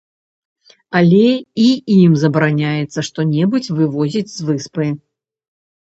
Але і ім забараняецца што-небудзь вывозіць з выспы.